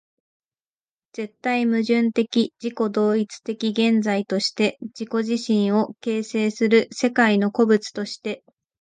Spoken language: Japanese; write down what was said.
絶対矛盾的自己同一的現在として自己自身を形成する世界の個物として、